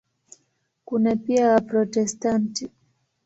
Kuna pia Waprotestanti.